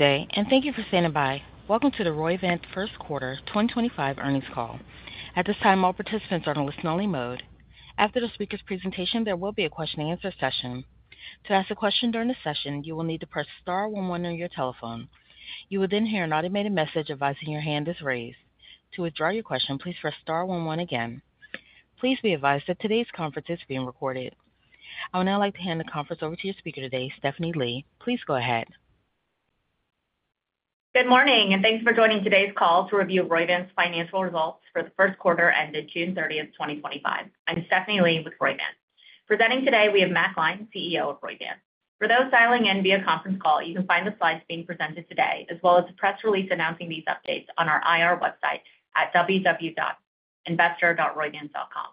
Okay. Thank you for standing by. Welcome to the Roivant First Quarter 2025 Earnings Call. At this time, all participants are in listen-only mode. After the speaker's presentation, there will be a question and answer session. To ask a question during the session, you will need to press star one one on your telephone. You will then hear an automated message advising your hand is raised. To withdraw your question, please press star one one again. Please be advised that today's conference is being recorded. I would now like to hand the conference over to your speaker today, Stephanie Lee. Please go ahead. Good morning, and thanks for joining today's call to review Roivant's financial results for the first quarter ended June 30th, 2025. I'm Stephanie Lee with Roivant. Presenting today, we have Matt Gline, CEO of Roivant. For those dialing in via conference call, you can find the slides being presented today, as well as a press release announcing these updates, on our IR website at www.investor.roivant.com.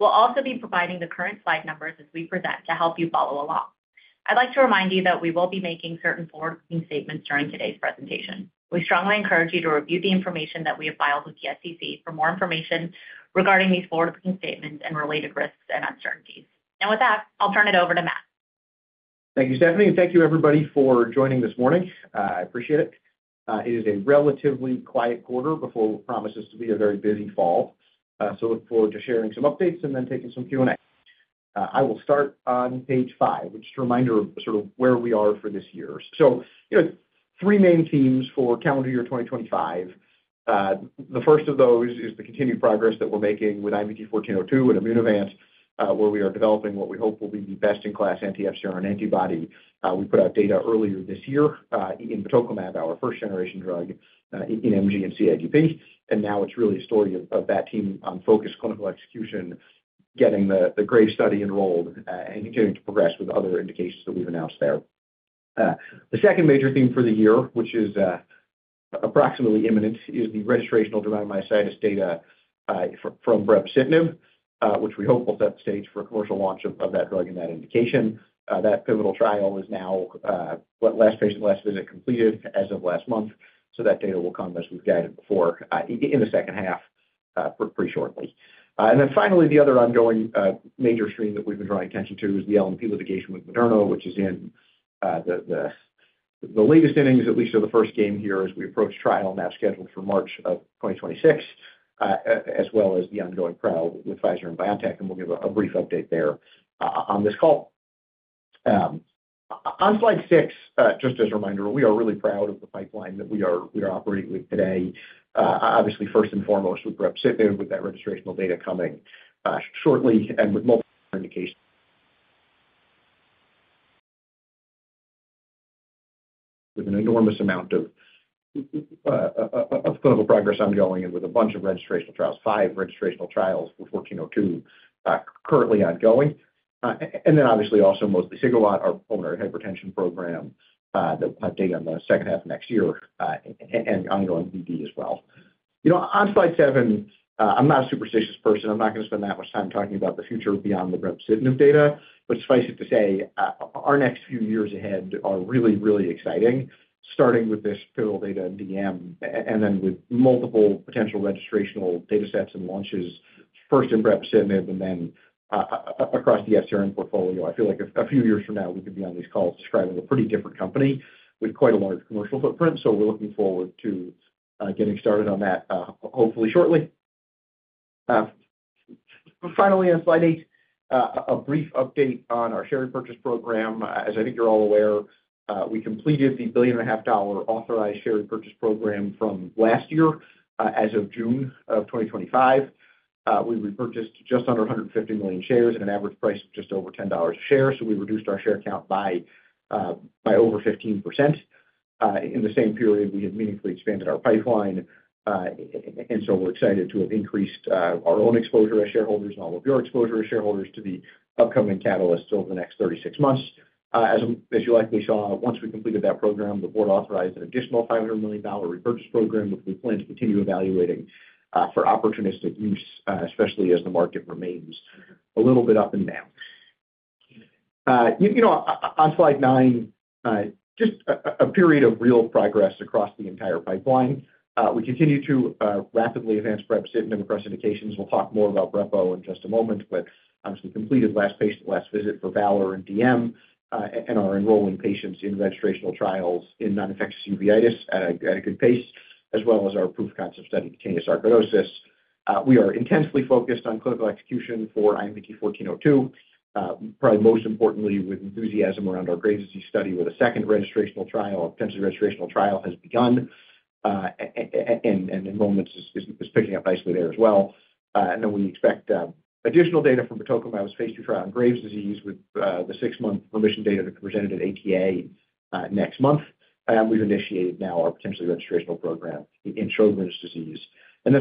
We'll also be providing the current slide numbers as we present to help you follow along. I would like to remind you that we will be making certain forward-looking statements during today's presentation. We strongly encourage you to review the information that we have filed with the SEC for more information regarding these forward-looking statements and related risks and uncertainties. With that, I'll turn it over to Matt. Thank you, Stephanie, and thank you, everybody, for joining this morning. I appreciate it. It is a relatively quiet quarter before it promises to be a very busy fall. I look forward to sharing some updates and then taking some Q&A. I will start on page five, which is a reminder of sort of where we are for this year. Three main themes for calendar year 2025. The first of those is the continued progress that we're making with IMVT-1402 and Immunovant, where we are developing what we hope will be the best-in-class anti-FcRn antibody. We put out data earlier this year in batoclimab, our first-generation drug, in imaging at CIGP. Now it's really a story of that team on focused clinical execution, getting the Graves’ study enrolled and continuing to progress with other indications that we've announced there. The second major theme for the year, which is approximately imminent, is the registrational dermatomyositis data from brepocitinib, which we hope will set the stage for a commercial launch of that drug in that indication. That pivotal trial is now, what, last patient last visit completed as of last month. That data will come as we've said for in the second half pretty shortly. Finally, the other ongoing major stream that we've been drawing attention to is the LNP litigation with Moderna, which is in the latest innings, at least of the first game here as we approach trial now scheduled for March of 2026, as well as the ongoing trial with Pfizer and BioNTech. We'll give a brief update there on this call. On slide six, just as a reminder, we are really proud of the pipeline that we are operating with today. Obviously, first and foremost, with brepocitinib, with that registrational data coming shortly and with multiple indications, with an enormous amount of clinical progress ongoing and with a bunch of registrational trials, five registrational trials with IMVT-1402 currently ongoing. Obviously also mosliciguat, our pulmonary hypertension program, the data in the second half of next year and ongoing PD as well. On slide seven, I'm not a superstitious person. I'm not going to spend that much time talking about the future beyond the brepocitinib data. Suffice it to say, our next few years ahead are really, really exciting, starting with this pivotal data in DM and then with multiple potential registrational data sets and launches, first in brepocitinib and then across the FcRn portfolio. I feel like a few years from now, we could be on these calls describing a pretty different company with quite a large commercial footprint. We're looking forward to getting started on that, hopefully shortly. Finally, on slide eight, a brief update on our share purchase program. As I think you're all aware, we completed the $1.5 billion authorized share purchase program from last year. As of June 2025, we repurchased just under 150 million shares at an average price of just over $10 a share. We reduced our share count by over 15%. In the same period, we have meaningfully expanded our pipeline, and we're excited to have increased our own exposure as shareholders and all of your exposure as shareholders to the upcoming catalysts over the next 36 months. As you likely saw, once we completed that program, the board authorized an additional $500 million repurchase program, which we plan to continue evaluating for opportunistic use, especially as the market remains a little bit up and down. On slide nine, just a period of real progress across the entire pipeline. We continue to rapidly advance Brepocitinib across indications. We'll talk more about Brepocitinib in just a moment, but obviously completed last patient last visit for VALOR and DM and are enrolling patients in registrational trials in non-infectious uveitis at a good pace, as well as our proof of concept study in cutaneous sarcoidosis. We are intensely focused on clinical execution for IMVT-1402, probably most importantly, with enthusiasm around our Graves’ disease study with a second registrational trial, a potential registrational trial has begun, and it's picking up nicely there as well. We expect additional data from the anti-FcRn antibody therapies space to try on Graves’ disease with the six-month remission data that's presented at ATA next month. We've initiated now our potential registrational program in Sjogren's disease.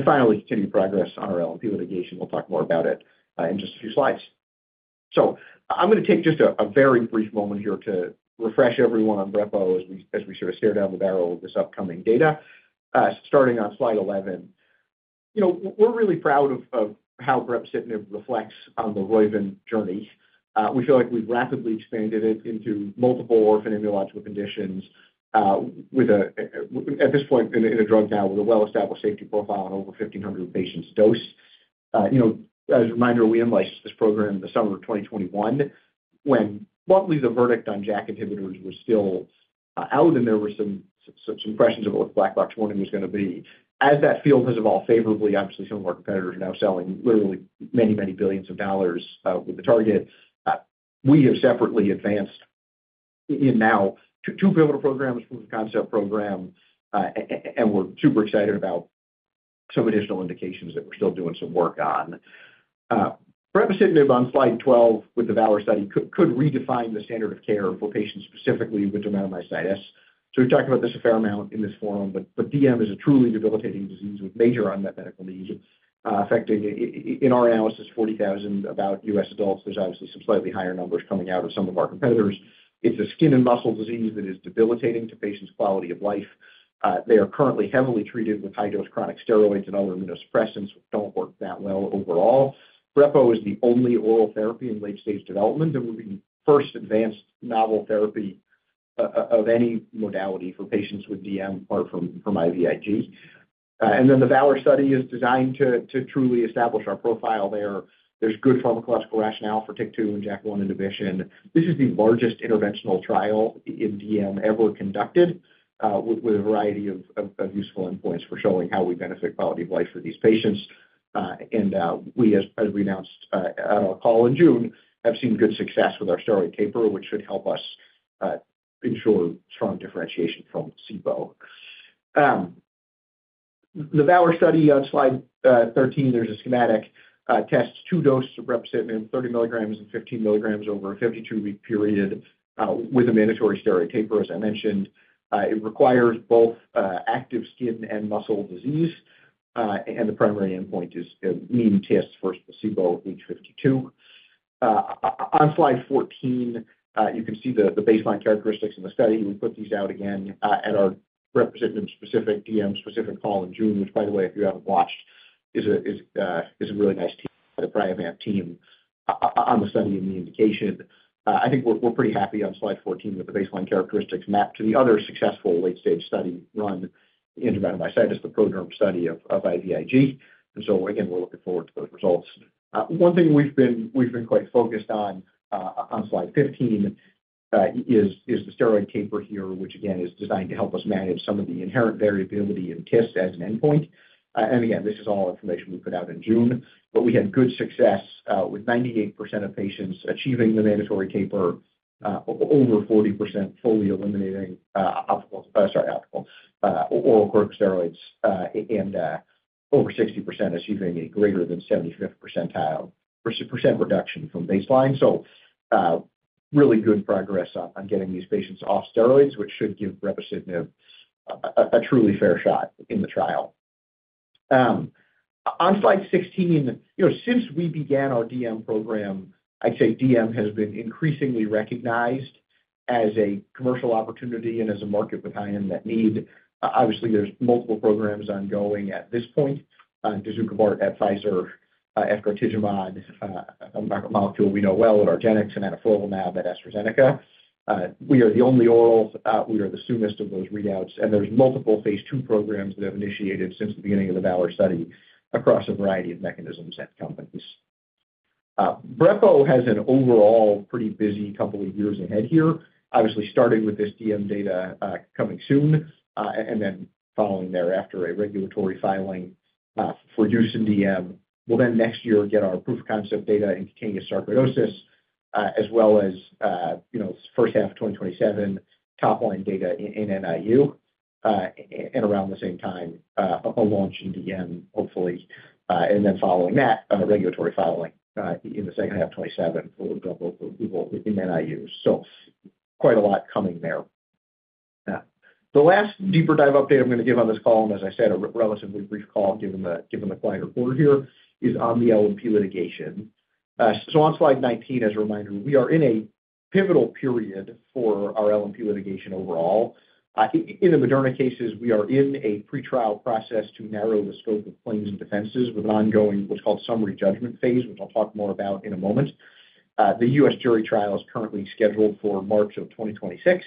Finally, continued progress on our LNP litigation. We'll talk more about it in just a few slides. I'm going to take just a very brief moment here to refresh everyone on Brepocitinib as we sort of stare down the barrel of this upcoming data. Starting on slide 11, we're really proud of how Brepocitinib reflects on the Roivant journey. We feel like we've rapidly expanded it into multiple orphan immunological conditions, with at this point a drug now with a well-established safety profile on over 1,500 patients dosed. You know, as a reminder, we in-licensed this program in the summer of 2021 when broadly the verdict on JAK inhibitors was still out, and there were some impressions of what the black box warning was going to be. As that field has evolved favorably, obviously, some of our competitors are now selling literally many, many billions of dollars with the target. We have separately advanced in now two pivotal programs from the concept program, and we're super excited about some additional indications that we're still doing some work on. Brepocitinib on slide 12 with the VALOR study could redefine the standard of care for patients specifically with dermatomyositis. We've talked about this a fair amount in this forum, but DM is a truly debilitating disease with major unmet medical need affecting, in our analysis, about 40,000 U.S. adults. There are obviously some slightly higher numbers coming out of some of our competitors. It's a skin and muscle disease that is debilitating to patients' quality of life. They are currently heavily treated with high-dose chronic steroids and other immunosuppressants that don't work that well overall. Brepocitinib is the only oral therapy in late-stage development, and we're being the first advanced novel therapy of any modality for patients with DM apart from IVIG. The VALOR study is designed to truly establish our profile there. There's good pharmacological rationale for TIK2 and JAK1 inhibition. This is the largest interventional trial in DM ever conducted with a variety of useful endpoints for showing how we benefit quality of life for these patients. As we announced on our call in June, we have seen good success with our steroid taper, which should help us ensure strong differentiation from placebo. The VALOR study on slide 13, there's a schematic that tests two doses of brepocitinib, 30 milligrams and 15 milligrams over a 52-week period with a mandatory steroid taper, as I mentioned. It requires both active skin and muscle disease, and the primary endpoint is MMT-8 at week 52. On slide 14, you can see the baseline characteristics in the study. We put these out again at our brepocitinib-specific, DM-specific call in June, which, by the way, if you haven't watched, is a really nice team by the Priovant team on the study and the indication. I think we're pretty happy on slide 14 with the baseline characteristics mapped to the other successful late-stage study run in dermatomyositis, the ProDERM study of IVIG. We're looking forward to those results. One thing we've been quite focused on on slide 15 is the steroid taper here, which is designed to help us manage some of the inherent variability in tests as an endpoint. This is all information we put out in June, but we had good success with 98% of patients achieving the mandatory taper, over 40% fully eliminating oral corticosteroids, and over 60% achieving a greater than 75% reduction from baseline. Really good progress on getting these patients off steroids, which should give Brepocitinib a truly fair shot in the trial. On slide 16, since we began our DM program, I'd say DM has been increasingly recognized as a commercial opportunity and as a market with high unmet need. There are multiple programs ongoing at this point: denosumab, at Pfizer, and efgartigimod, a molecule we know well in argenx, and then Anifrolumab at AstraZeneca. We are the only oral. We are the soonest of those readouts. There are multiple phase two programs that have initiated since the beginning of the VALOR study across a variety of mechanisms and companies. Brepo has an overall pretty busy couple of years ahead here, starting with this DM data coming soon and then following thereafter a regulatory filing for JUICE and DM. Next year we will get our proof of concept data in cutaneous sarcoidosis, as well as, in the first half of 2027, top line data in NIU. Around the same time, a launch in DM, hopefully. Following that, a regulatory filing in the second half of 2027 will be in NIU. Quite a lot coming there. The last deeper dive update I'm going to give on this call, and as I said, a relatively brief call given the quieter quarter here, is on the LNP litigation. On slide 19, as a reminder, we are in a pivotal period for our LNP litigation overall. In the Moderna cases, we are in a pretrial process to narrow the scope of claims and defenses with an ongoing summary judgment phase, which I'll talk more about in a moment. The U.S. jury trial is currently scheduled for March of 2026.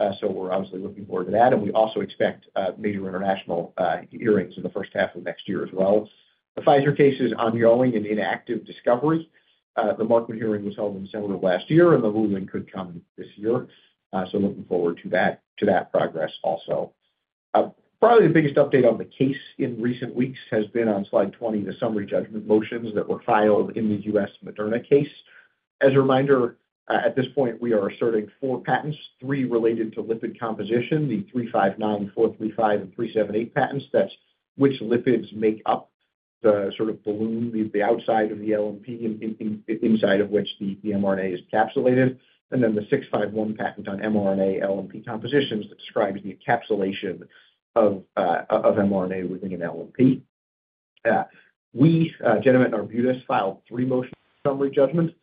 We're looking forward to that. We also expect major international hearings in the first half of next year as well. The Pfizer case is ongoing and in active discovery. The Markman hearing was held in the summer of last year, and the ruling could come this year. Looking forward to that progress also. Probably the biggest update on the case in recent weeks has been on slide 20, the summary judgment motions that were filed in the U.S. Moderna case. As a reminder, at this point, we are asserting four patents, three related to lipid composition, the 359, 435, and 378 patents, which lipids make up the sort of balloon of the outside of the LNP and inside of which the mRNA is encapsulated. Then the 651 patent on mRNA LNP compositions that describes the encapsulation of mRNA within an LNP. We, joined with Arbutus, filed three motion summary judgments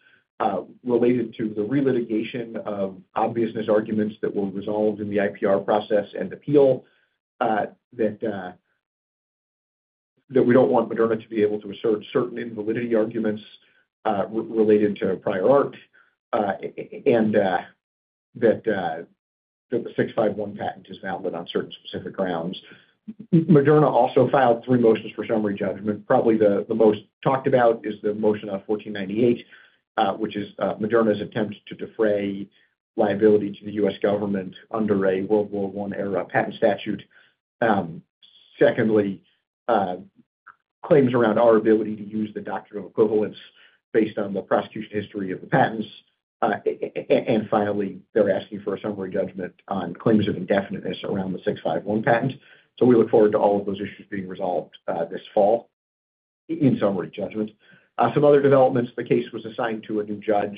related to the relitigation of obviousness arguments that were resolved in the IPR process and appeal, that we don't want Moderna to be able to assert certain invalidity arguments related to prior art, and that the 651 patent is valid on certain specific grounds. Moderna also filed three motions for summary judgment. Probably the most talked about is the motion on 1498, which is Moderna's attempt to defray liability to the U.S. government under a World War I era patent statute. Secondly, claims around our ability to use the doctrine of equivalence based on the prosecution history of the patents. Finally, they're asking for a summary judgment on claims of indefiniteness around the 651 patent. We look forward to all of those issues being resolved this fall in summary judgment. Some other developments, the case was assigned to a new judge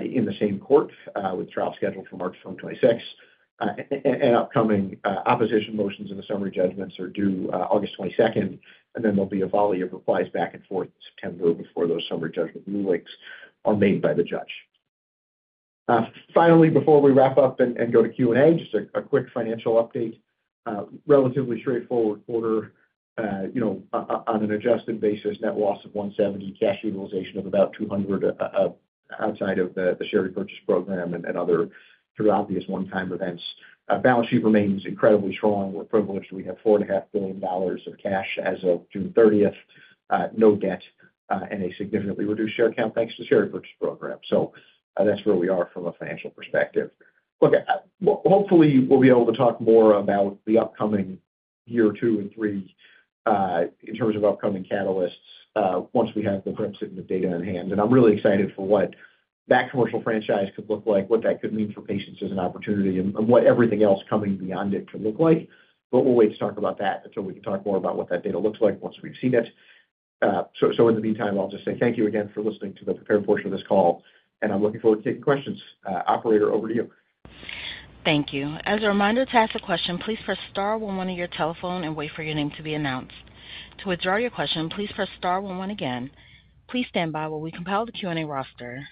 in the same court with the trial scheduled for March 2026. Upcoming opposition motions in the summary judgments are due August 22. There will be a volley of replies back and forth in September before those summary judgment rulings are made by the judge. Finally, before we wrap up and go to Q&A, just a quick financial update. Relatively straightforward quarter, on an adjusted basis, net loss of $170 million, cash utilization of about $200 million outside of the share purchase program and other obvious one-time events. Balance sheet remains incredibly strong. We're privileged. We have $4.5 billion of cash as of June 30, no debt, and a significantly reduced share count thanks to the share purchase program. That's where we are from a financial perspective. Hopefully, we'll be able to talk more about the upcoming year two and three in terms of upcoming catalysts once we have the Brepocitinib data in hand. I am really excited for what that commercial franchise could look like, what that could mean for patients as an opportunity, and what everything else coming beyond it could look like. We will wait to talk about that until we can talk more about what that data looks like once we have seen it. In the meantime, I will just say thank you again for listening to the prepared portion of this call. I am looking forward to taking questions. Operator, over to you. Thank you. As a reminder, to ask a question, please press star one one on your telephone and wait for your name to be announced. To withdraw your question, please press star one one again. Please stand by while we compile the Q&A roster.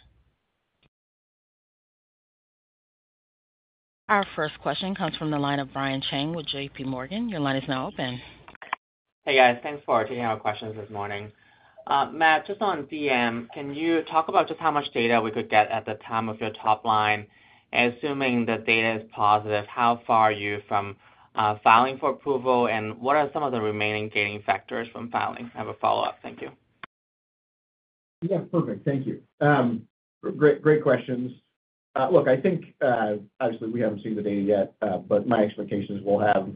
Our first question comes from the line of Brian Chang with JPMorgan. Your line is now open. Hey, guys. Thanks for taking our questions this morning. Matt, just on DM, can you talk about just how much data we could get at the time of your top line? Assuming the data is positive, how far are you from filing for approval, and what are some of the remaining gating factors from filing? I have a follow-up. Thank you. Yeah, perfect. Thank you. Great, great questions. Look, I think obviously we haven't seen the data yet, but my expectation is we'll have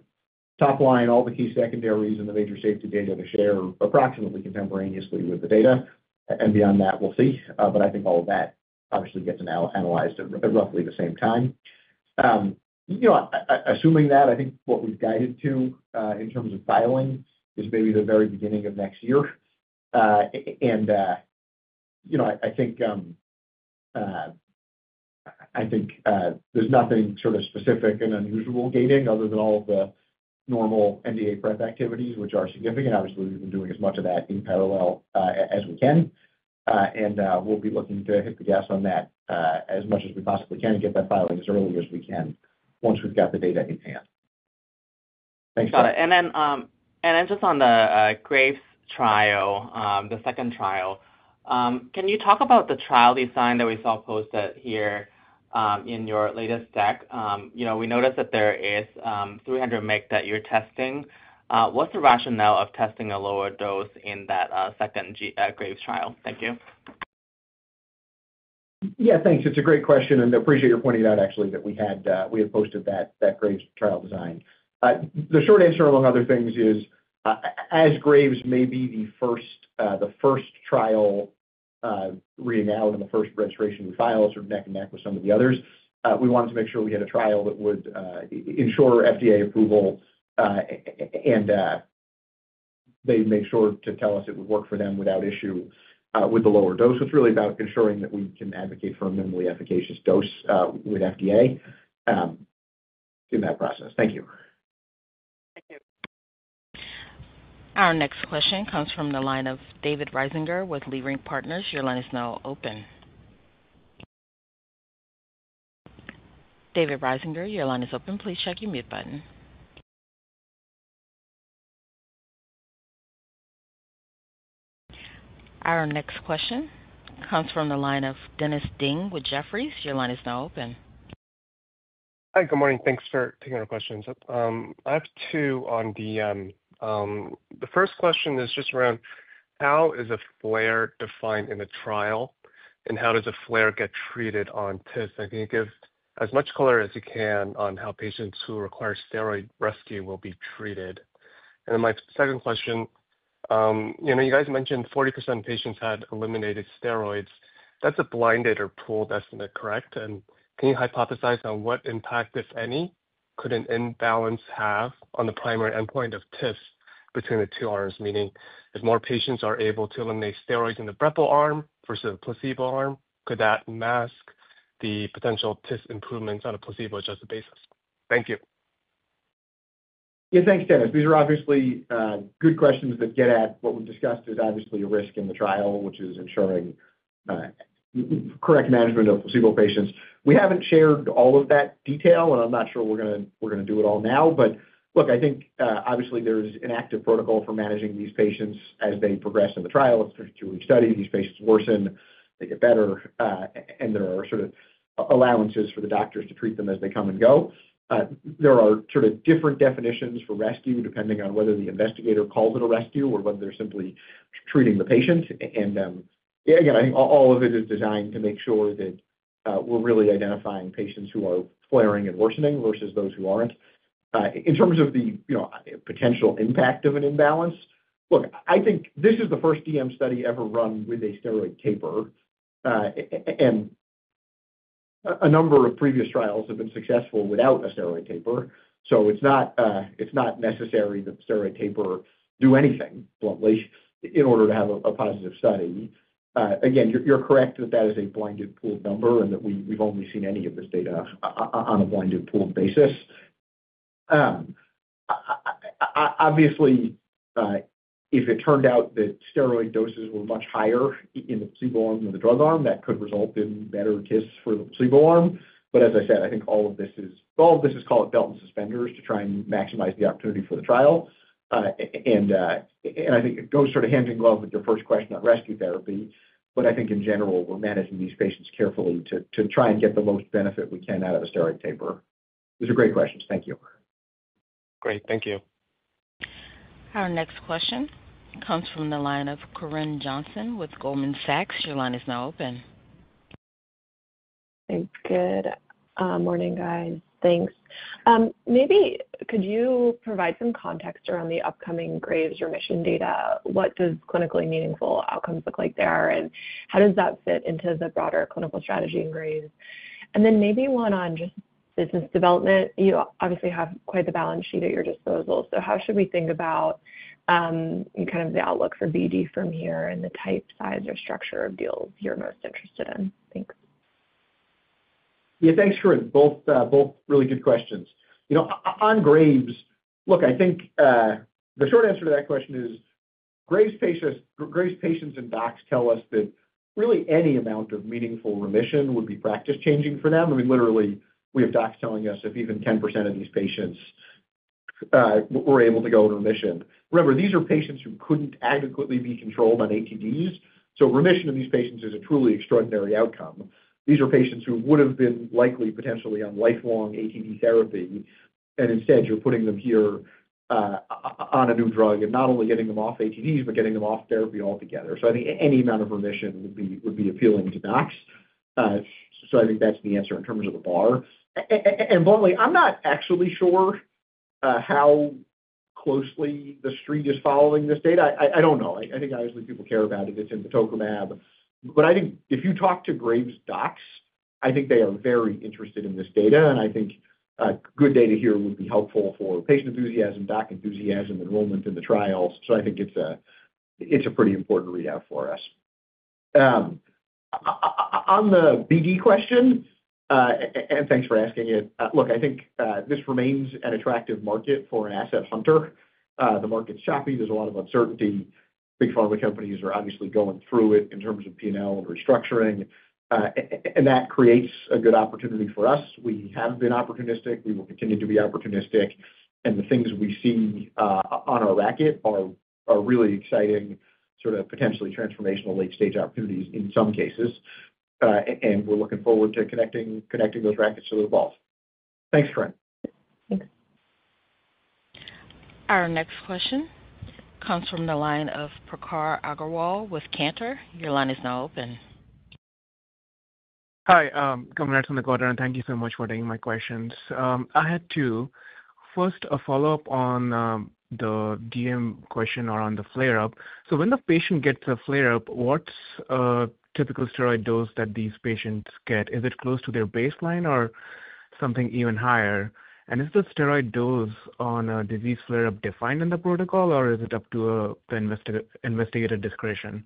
top line, all the key secondaries, and the major safety data to share approximately contemporaneously with the data. Beyond that, we'll see. I think all of that obviously gets now analyzed at roughly the same time. Assuming that, I think what we've guided to in terms of filing is maybe the very beginning of next year. I think there's nothing sort of specific and unusual gating other than all of the normal NDA prep activities, which are significant. Obviously, we've been doing as much of that in parallel as we can. We'll be looking to hit the gas on that as much as we possibly can to get that filing as early as we can once we've got the data in hand. Got it. On the Graves’ trial, the second trial, can you talk about the trial design that we saw posted here in your latest deck? We noticed that there is 300 mg that you're testing. What's the rationale of testing a lower dose in that second Graves’ trial? Thank you. Yeah, thanks. It's a great question, and I appreciate your pointing out, actually, that we had posted that Graves trial design. The short answer, among other things, is as Graves may be the first trial reading out and the first registration we file, sort of neck and neck with some of the others, we wanted to make sure we had a trial that would ensure FDA approval. They made sure to tell us it would work for them without issue with the lower dose. It's really about ensuring that we can advocate for a minimally efficacious dose with FDA in that process. Thank you. Thank you. Our next question comes from the line of David Risinger with Leerink Partners. Your line is now open. David Risinger, your line is open. Please check your mute button. Our next question comes from the line of Dennis Ding with Jefferies. Your line is now open. Hi. Good morning. Thanks for taking our questions. I have two on DM. The first question is just around how is a flare defined in a trial, and how does a flare get treated on TIF? Can you give as much color as you can on how patients who require steroid rescue will be treated? My second question, you know, you guys mentioned 40% of patients had eliminated steroids. That's a blinded or pooled estimate, correct? Can you hypothesize on what impact, if any, could an imbalance have on the primary endpoint of TIF between the two arms? Meaning if more patients are able to eliminate steroids in the Brepocitinib arm versus a placebo arm, could that mask the potential TIF improvements on a placebo-adjusted basis? Thank you. Yeah, thanks, Dennis. These are obviously good questions that get at what we've discussed. There's obviously a risk in the trial, which is ensuring correct management of placebo patients. We haven't shared all of that detail, and I'm not sure we're going to do it all now. Look, I think obviously there's an active protocol for managing these patients as they progress in the trial of a 52-week study. These patients worsen, they get better, and there are sort of allowances for the doctors to treat them as they come and go. There are different definitions for rescue depending on whether the investigator calls it a rescue or whether they're simply treating the patient. Again, I think all of it is designed to make sure that we're really identifying patients who are flaring and worsening versus those who aren't. In terms of the potential impact of an imbalance, I think this is the first DM study ever run with a steroid taper. A number of previous trials have been successful without a steroid taper. It's not necessary that the steroid taper do anything, bluntly, in order to have a positive study. Again, you're correct that that is a blinded pooled number and that we've only seen any of this data on a blinded pooled basis. Obviously, if it turned out that steroid doses were much higher in the placebo arm than the drug arm, that could result in better TIFs for the placebo arm. As I said, I think all of this is called belt and suspenders to try and maximize the opportunity for the trial. I think it goes hand in glove with your first question on rescue therapy. I think in general, we're managing these patients carefully to try and get the most benefit we can out of a steroid taper. These are great questions. Thank you. Great. Thank you. Our next question comes from the line of Corinne Johnson with Goldman Sachs. Your line is now open. Thanks. Good morning, guys. Thanks. Maybe could you provide some context around the upcoming Graves remission data? What does clinically meaningful outcomes look like there, and how does that fit into the broader clinical strategy in Graves? Maybe one on just business development. You obviously have quite the balance sheet at your disposal. How should we think about kind of the outlook for BD from here and the type, size, or structure of deals you're most interested in? Thanks. Yeah, thanks, Corinne. Both really good questions. On Graves, look, I think the short answer to that question is Graves patients and docs tell us that really any amount of meaningful remission would be practice changing for them. I mean, literally, we have docs telling us if even 10% of these patients were able to go into remission. Remember, these are patients who couldn't adequately be controlled on ATDs. Remission in these patients is a truly extraordinary outcome. These are patients who would have been likely potentially on lifelong ATD therapy. Instead, you're putting them here on a new drug and not only getting them off ATDs, but getting them off therapy altogether. I think any amount of remission would be appealing to docs. I think that's the answer in terms of the bar. Bluntly, I'm not actually sure how closely the street is following this data. I don't know. I think obviously people care about it. It's in the batoclimab. If you talk to Graves docs, I think they are very interested in this data. I think good data here would be helpful for patient enthusiasm, doc enthusiasm, enrollment in the trials. I think it's a pretty important readout for us. On the BD question, and thanks for asking it, look, I think this remains an attractive market for an asset hunter. The market's choppy. There's a lot of uncertainty. Big pharma companies are obviously going through it in terms of P&L and restructuring. That creates a good opportunity for us. We have been opportunistic. We will continue to be opportunistic. The things we see on our racket are really exciting, sort of potentially transformational late-stage opportunities in some cases. We're looking forward to connecting those rackets to the ball. Thanks, Corinne. Thanks. Our next question comes from the line of Prakhar Agarwal with Cantor. Your line is now open. Hi. Coming out from the quadrant. Thank you so much for taking my questions. I had two. First, a follow-up on the DM question or on the flare-up. When the patient gets a flare-up, what's a typical steroid dose that these patients get? Is it close to their baseline or something even higher? Is the steroid dose on a disease flare-up defined in the protocol, or is it up to the investigator discretion?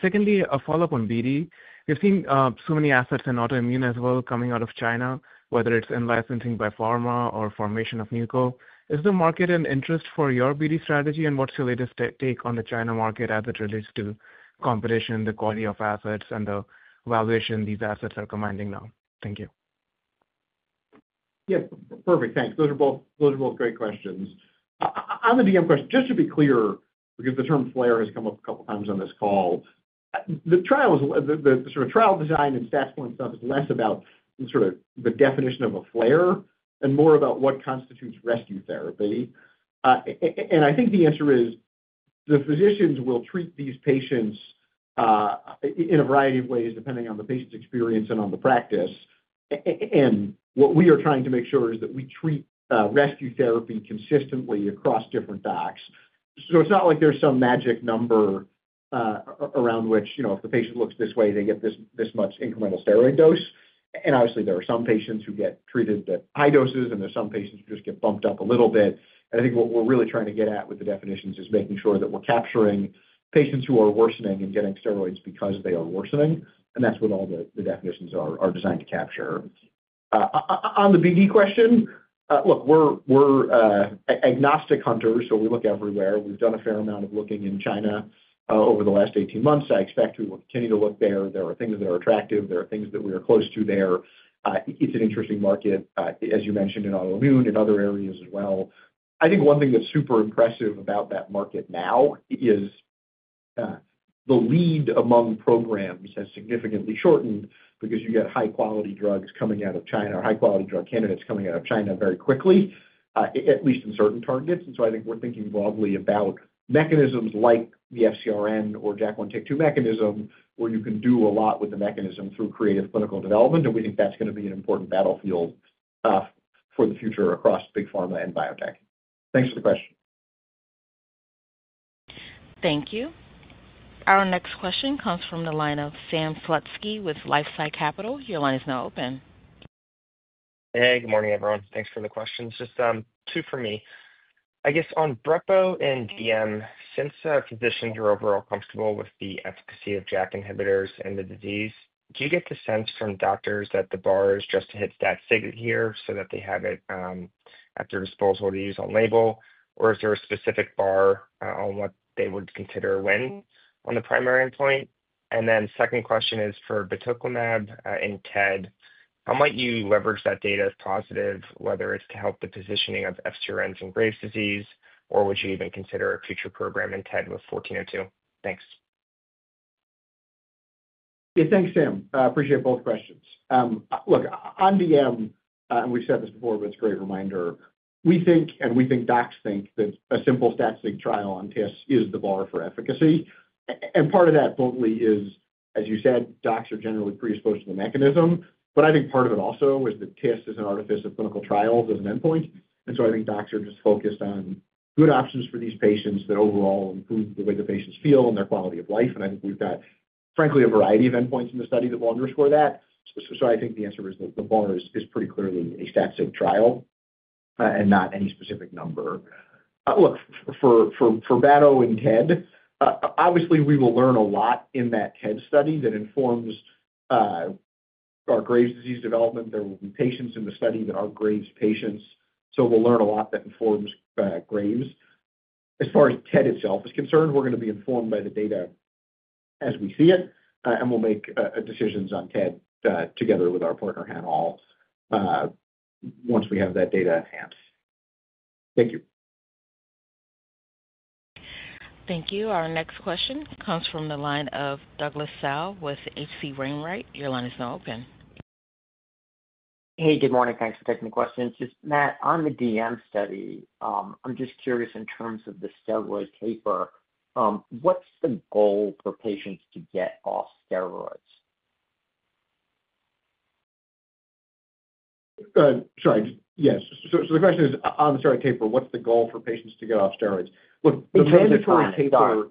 Secondly, a follow-up on BD. We've seen so many assets and autoimmune as well coming out of China, whether it's in licensing by pharma or formation of newco. Is the market in interest for your BD strategy, and what's your latest take on the China market as it relates to competition, the quality of assets, and the valuation these assets are commanding now? Thank you. Yeah, perfect. Thanks. Those are both great questions. On the DM question, just to be clear, because the term flare has come up a couple of times on this call, the sort of trial design and stats point stuff is less about the definition of a flare and more about what constitutes rescue therapy. I think the answer is the physicians will treat these patients in a variety of ways depending on the patient's experience and on the practice. What we are trying to make sure is that we treat rescue therapy consistently across different docs. It's not like there's some magic number around which, you know, if the patient looks this way, they get this much incremental steroid dose. Obviously, there are some patients who get treated at high doses, and there's some patients who just get bumped up a little bit. I think what we're really trying to get at with the definitions is making sure that we're capturing patients who are worsening and getting steroids because they are worsening. That's what all the definitions are designed to capture. On the BD question, look, we're agnostic hunters, so we look everywhere. We've done a fair amount of looking in China over the last 18 months. I expect we will continue to look there. There are things that are attractive. There are things that we are close to there. It's an interesting market, as you mentioned, in autoimmune and other areas as well. I think one thing that's super impressive about that market now is the lead among programs has significantly shortened because you get high-quality drugs coming out of China, or high-quality drug candidates coming out of China very quickly, at least in certain targets. I think we're thinking broadly about mechanisms like the FcRn or JAK1 TIK2 mechanism, where you can do a lot with the mechanism through creative clinical development. We think that's going to be an important battlefield for the future across big pharma and biotech. Thanks for the question. Thank you. Our next question comes from the line of Sam Slutsky with LifeSci Capital. Your line is now open. Hey, good morning, everyone. Thanks for the questions. Just two for me. I guess on Brepocitinib and dermatomyositis, since physicians are overall comfortable with the efficacy of JAK inhibitors in the disease, do you get the sense from doctors that the bar is just to hit that statement here so that they have it at their disposal to use on label? Or is there a specific bar on what they would consider when on the primary endpoint? The second question is for batoclimab and TED. How might you leverage that data as positive, whether it's to help the positioning of anti-FcRn antibody therapies in Graves’ disease, or would you even consider a future program in TED with IMVT-1402? Thanks. Yeah, thanks, Sam. I appreciate both questions. Look, on dermatomyositis, and we've said this before, but it's a great reminder. We think, and we think docs think that a simple stat-significant trial on TIFs is the bar for efficacy. Part of that, frankly, is, as you said, docs are generally predisposed to the mechanism. I think part of it also is that TIFs is an artifice of clinical trials as an endpoint. I think docs are just focused on good options for these patients that overall improve the way the patients feel and their quality of life. I think we've got, frankly, a variety of endpoints in the study that will underscore that. I think the answer is that the bar is pretty clearly a stat-significant trial and not any specific number. Look, for brepocitinib and TED, obviously, we will learn a lot in that TED study that informs our Graves' disease development. There will be patients in the study that are Graves' patients. We'll learn a lot that informs Graves. As far as TED itself is concerned, we're going to be informed by the data as we see it. We'll make decisions on TED together with our partner, Hanal, once we have that data at hand. Thank you. Thank you. Our next question comes from the line of Douglas Tsao with H.C. Wainwright. Your line is now open. Hey, good morning. Thanks for taking the question. Matt, on the DM study, I'm just curious in terms of the steroid taper. What's the goal for patients to get off steroids? Yes, the question is, on the steroid taper, what's the goal for patients to get off steroids? The mandatory taper.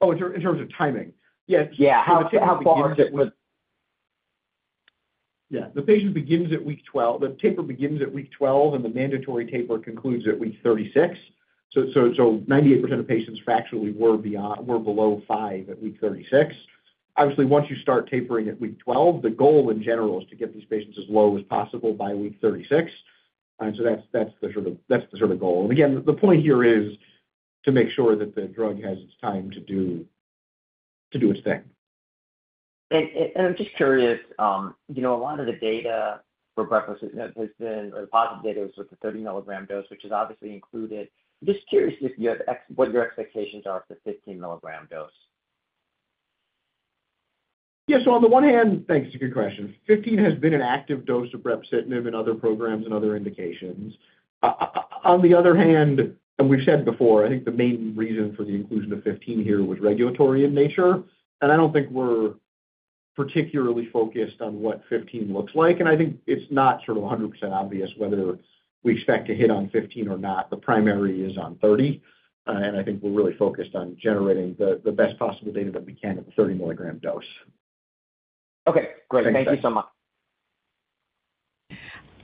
Oh, in terms of timing, yes. Yeah, how it begins at week. Yeah. The patient begins at week 12. The taper begins at week 12, and the mandatory taper concludes at week 36. 98% of patients factually were below five at week 36. Once you start tapering at week 12, the goal in general is to get these patients as low as possible by week 36. That's the sort of goal. The point here is to make sure that the drug has its time to do its thing. I'm just curious, you know, a lot of the data for Brepocitinib has been the positive data is with the 30 milligram dose, which is obviously included. I'm just curious if you have what your expectations are for the 15 milligram dose. Yeah. On the one hand, thanks. It's a good question. 15 has been an active dose of Brepocitinib in other programs and other indications. On the other hand, we've said it before, I think the main reason for the inclusion of 15 here was regulatory in nature. I don't think we're particularly focused on what 15 looks like. I think it's not sort of 100% obvious whether we expect to hit on 15 or not. The primary is on 30. I think we're really focused on generating the best possible data that we can at the 30 milligram dose. Okay. Great. Thank you so much.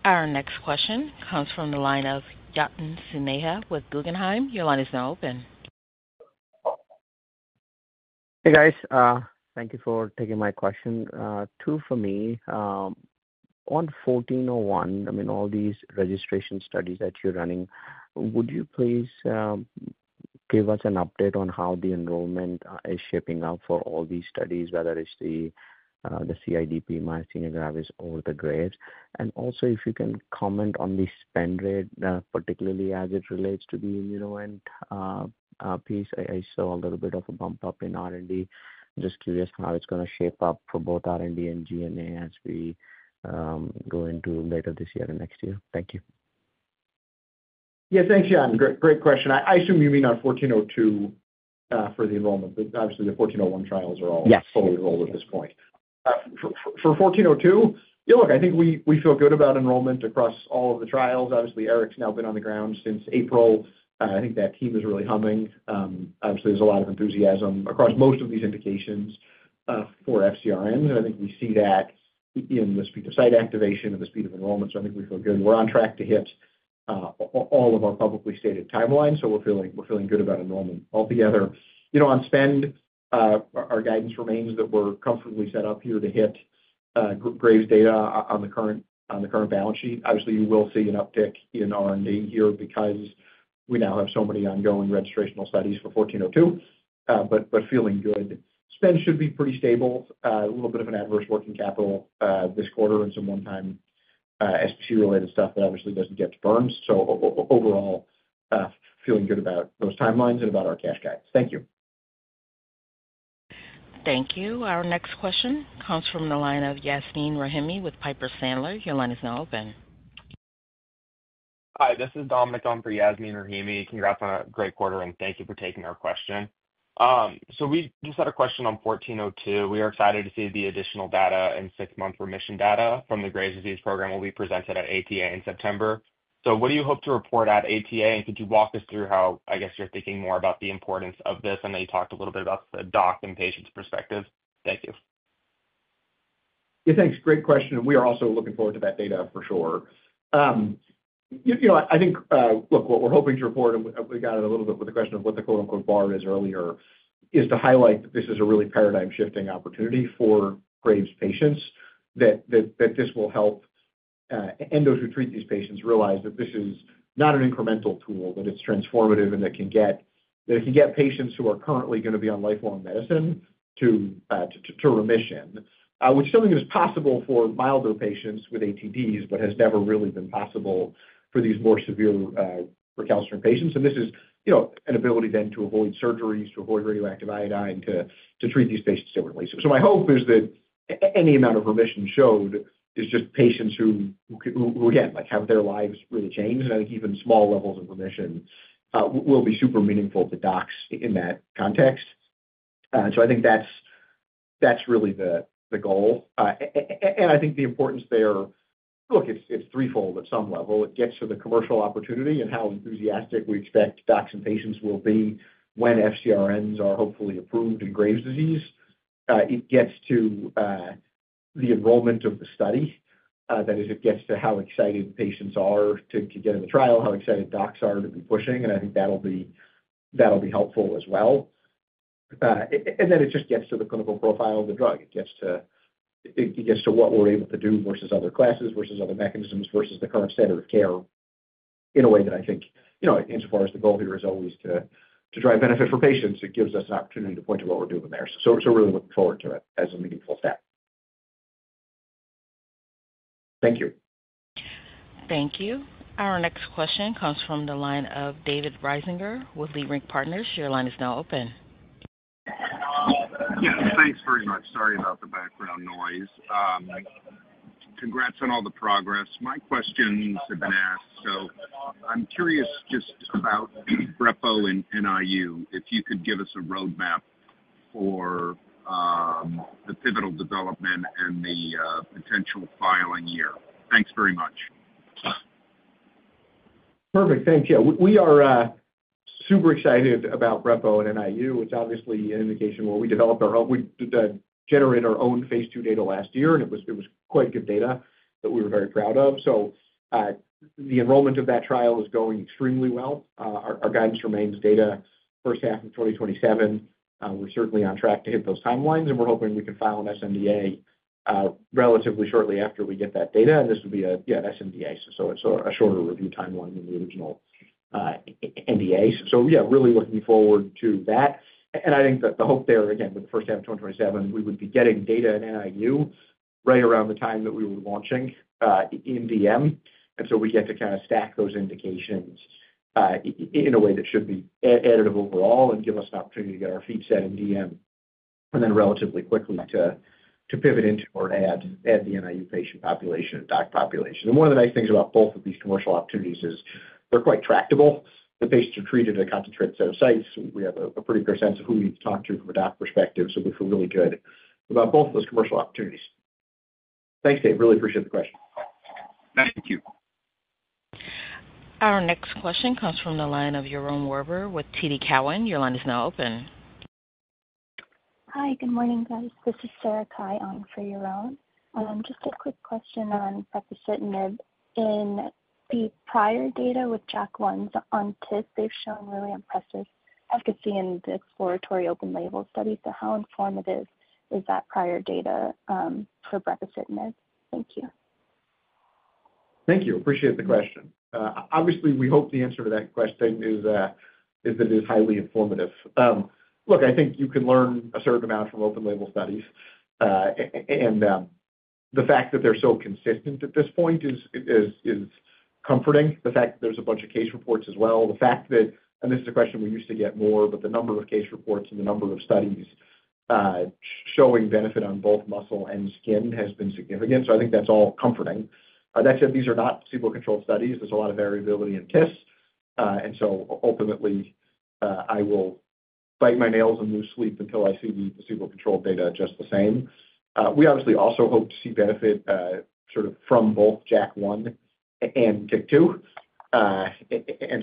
Our next question comes from the line of Yatin Suneja with Guggenheim. Your line is now open. Hey, guys. Thank you for taking my question. Two for me. On 1401, I mean, all these registrational studies that you're running, would you please give us an update on how the enrollment is shaping up for all these studies, whether it's the CIDP, myasthenia gravis, or the Graves? If you can comment on the spend rate, particularly as it relates to the Immunovant piece. I saw a little bit of a bump up in R&D. I'm just curious how it's going to shape up for both R&D and G&A as we go into later this year and next year. Thank you. Yeah, thanks, Yatin. Great question. I assume you mean on 1402 for the enrollment, but obviously, the 1401 trials are all fully enrolled at this point. For 1402, yeah, look, I think we feel good about enrollment across all of the trials. Obviously, Eric's now been on the ground since April. I think that team is really humming. There's a lot of enthusiasm across most of these indications for FcRNs. I think we see that in the speed of site activation and the speed of enrollment. I think we feel good. We're on track to hit all of our publicly stated timelines. We're feeling good about enrollment altogether. You know, on spend, our guidance remains that we're comfortably set up here to hit Graves' data on the current balance sheet. You will see an uptick in R&D here because we now have so many ongoing registrational studies for 1402. Feeling good. Spend should be pretty stable. A little bit of an adverse working capital this quarter and some one-time STT-related stuff that doesn't get to burn. Overall, feeling good about those timelines and about our cash guides. Thank you. Thank you. Our next question comes from the line of Yasmeen Rahimi with Piper Sandler. Your line is now open. Hi. This is Dominic on for Yasmeen Rahimi. Congrats on a great quarter, and thank you for taking our question. We just had a question on 1402. We are excited to see the additional data and six-month remission data from the Graves' disease program will be presented at ATA in September. What do you hope to report at ATA, and could you walk us through how you're thinking more about the importance of this? I know you talked a little bit about the doc and patient's perspective. Thank you. Yeah, thanks. Great question. We are also looking forward to that data for sure. What we're hoping to report, and we got in a little bit with the question of what the quote-unquote "bar" is earlier, is to highlight that this is a really paradigm-shifting opportunity for Graves' patients, that this will help end those who treat these patients realize that this is not an incremental tool, that it's transformative and that it can get patients who are currently going to be on lifelong medicine to remission, which is something that is possible for milder patients with ATDs, but has never really been possible for these more severe recalcitrant patients. This is an ability then to avoid surgeries, to avoid radioactive iodine, to treat these patients differently. My hope is that any amount of remission showed is just patients who, again, have their lives really changed. I think even small levels of remission will be super meaningful to docs in that context. I think that's really the goal. The importance there, it's threefold at some level. It gets to the commercial opportunity and how enthusiastic we expect docs and patients will be when FcRNs are hopefully approved in Graves' disease. It gets to the enrollment of the study. That is, it gets to how excited patients are to get in the trial, how excited docs are to be pushing. I think that'll be helpful as well. It just gets to the clinical profile of the drug. It gets to what we're able to do versus other classes, versus other mechanisms, versus the current standard of care in a way that, insofar as the goal here is always to drive benefit for patients, it gives us an opportunity to point to what we're doing there. We're really looking forward to it as a meaningful stat. Thank you. Thank you. Our next question comes from the line of David Risinger with Leerink Partners. Your line is now open. Yeah, thanks very much. Sorry about the background noise. Congrats on all the progress. My questions have been asked. I'm curious just about Brepo and NIU, if you could give us a roadmap for the pivotal development and the potential filing year. Thanks very much. Perfect. Thanks. Yeah, we are super excited about Brepo and NIU. It's obviously an indication where we developed our own, we generated our own phase two data last year, and it was quite good data that we were very proud of. The enrollment of that trial is going extremely well. Our guidance remains data first half of 2027. We're certainly on track to hit those timelines, and we're hoping we can file an sNDA relatively shortly after we get that data. This would be a, yeah, an sNDA. It's a shorter review timeline than the original NDA. Really looking forward to that. I think that the hope there, again, with the first half of 2027, we would be getting data in NIU right around the time that we were launching in DM. We get to kind of stack those indications in a way that should be editable overall and give us an opportunity to get our feet set in DM and then relatively quickly to pivot into or add the NIU patient population, doc population. One of the nice things about both of these commercial opportunities is they're quite tractable. The patients are treated at a concentrated set of sites. We have a pretty good sense of who we need to talk to from a doc perspective. We feel really good about both of those commercial opportunities. Thanks, Dave. Really appreciate the question. Thank you. Our next question comes from the line of Yaron Werber with TD Cowen. Your line is now open. Hi. Good morning, guys. [Sarah Kai] on for Yaron. Just a quick question on Brepocitinib. In the prior data with JAK1 on TIF, they've shown really impressive efficacy in the exploratory open-label study. How informative is that prior data for Brepocitinib? Thank you. Thank you. Appreciate the question. Obviously, we hope the answer to that question is that it is highly informative. Look, I think you can learn a certain amount from open-label studies. The fact that they're so consistent at this point is comforting. The fact that there's a bunch of case reports as well. The fact that, and this is a question we used to get more, but the number of case reports and the number of studies showing benefit on both muscle and skin has been significant. I think that's all comforting. That said, these are not placebo-controlled studies. There's a lot of variability in TIFs. Ultimately, I will bite my nails and lose sleep until I see the placebo-controlled data just the same. We obviously also hope to see benefit, sort of from both JAK1 and TIF2.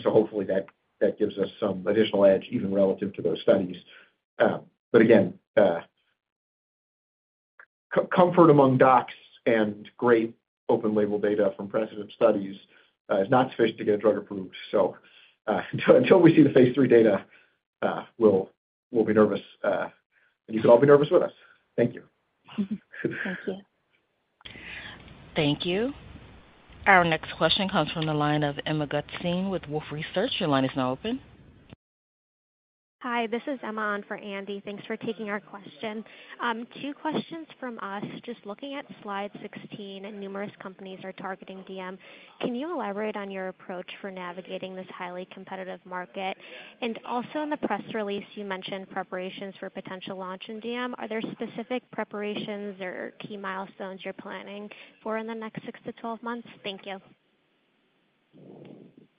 Hopefully, that gives us some additional edge even relative to those studies. Again, comfort among docs and great open-label data from precedent studies. It's not sufficient to get a drug approved. Until we see the phase three data, we'll be nervous. You can all be nervous with us. Thank you. Thank you. Thank you. Our next question comes from the line of Emma Gutstein with Wolfe Research. Your line is now open. Hi. This is Emma on for Andy. Thanks for taking our question. Two questions from us. Just looking at slide 16, numerous companies are targeting DM. Can you elaborate on your approach for navigating this highly competitive market? In the press release, you mentioned preparations for potential launch in DM. Are there specific preparations or key milestones you're planning for in the next 6-12 months? Thank you.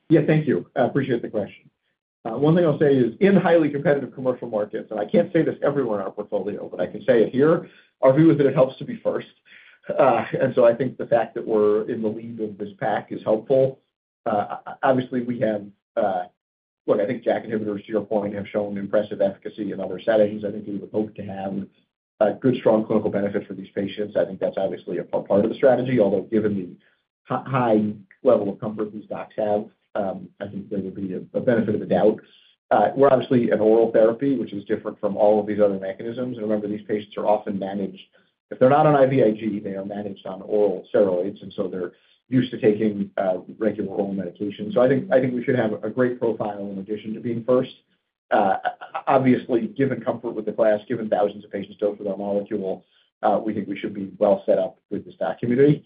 Yeah, thank you. I appreciate the question. One thing I'll say is in highly competitive commercial markets, and I can't say this everywhere in our portfolio, but I can say it here, our view is that it helps to be first. I think the fact that we're in the lead of this pack is helpful. Obviously, we have, look, I think JAK inhibitors, to your point, have shown impressive efficacy in other settings. I think we would hope to have a good, strong clinical benefit for these patients. I think that's obviously a part of the strategy, although given the high level of comfort these docs have, I think there would be a benefit of the doubt. We're obviously an oral therapy, which is different from all of these other mechanisms. Remember, these patients are often managed. If they're not on IVIG, they are managed on oral steroids, and so they're used to taking regular oral medication. I think we should have a great profile in addition to being first. Obviously, given comfort with the class, given thousands of patients dosed for that molecule, we think we should be well set up with this doc community.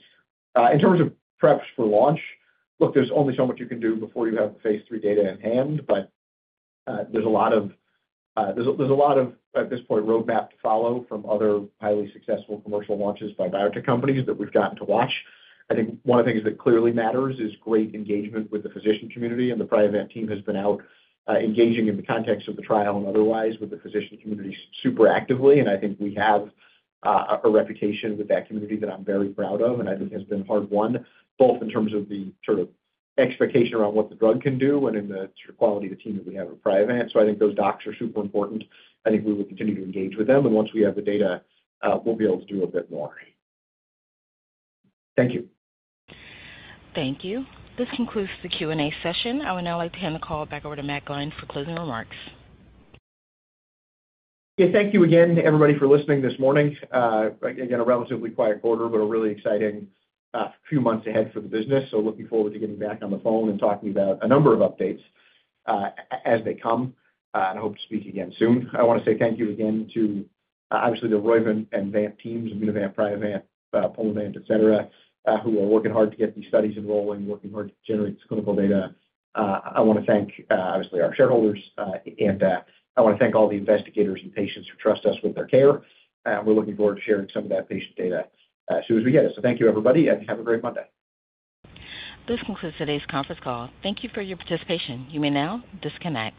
In terms of preps for launch, there's only so much you can do before you have phase three data in hand. There's a lot of, at this point, roadmap to follow from other highly successful commercial launches by biotech companies that we've gotten to watch. I think one of the things that clearly matters is great engagement with the physician community. The Priovant team has been out engaging in the context of the trial and otherwise with the physician community super actively. I think we have a reputation with that community that I'm very proud of. I think it has been hard won, both in terms of the sort of expectation around what the drug can do and in the quality of the team that we have at Priovant. Those docs are super important. I think we would continue to engage with them, and once we have the data, we'll be able to do a bit more. Thank you. Thank you. This concludes the Q&A session. I would now like to hand the call back over to Matt Gline for closing remarks. Thank you again to everybody for listening this morning. A relatively quiet quarter, but a really exciting few months ahead for the business. Looking forward to getting back on the phone and talking about a number of updates as they come. I hope to speak again soon. I want to say thank you again to, obviously, the Roivant and Vant teams, Immunovant, Priovant, Pulmovant, etc., who are working hard to get these studies enrolling, working hard to generate this clinical data. I want to thank, obviously, our shareholders. I want to thank all the investigators and patients who trust us with their care. We're looking forward to sharing some of that patient data as soon as we get it. Thank you, everybody, and have a great Monday. This concludes today's conference call. Thank you for your participation. You may now disconnect.